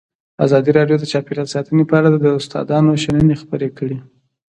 ازادي راډیو د چاپیریال ساتنه په اړه د استادانو شننې خپرې کړي.